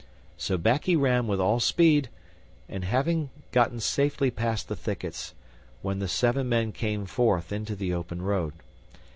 So back he ran with all speed, and had gotten safely past the thickets, when the seven men came forth into the open road.